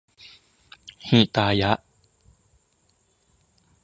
หิตายะ